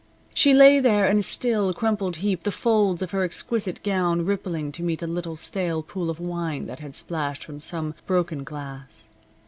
She lay there in a still, crumpled heap, the folds of her exquisite gown rippling to meet a little stale pool of wine that had splashed from some broken glass.